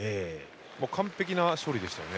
完璧な勝利でしたね。